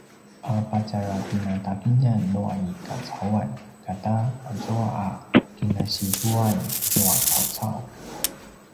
a patjarapinatagiljan nua i kacauan kata azua a kinasizuan nua cawcau